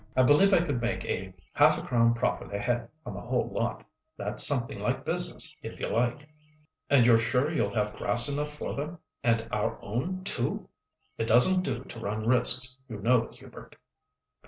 I believe I could make a half a crown profit a head on the whole lot. That's something like business, if you like." "And you're sure you'll have grass enough for them and our own, too! It doesn't do to run risks, you know, Hubert!"